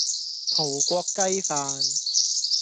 葡國雞飯